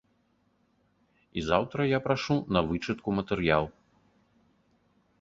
І заўтра я прашу на вычытку матэрыял!